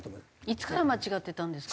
いつから間違ってたんですか？